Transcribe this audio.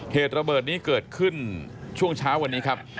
เหตุระเบิดนี้เกิดขึ้นช่วงเช้าวันนี้ครับ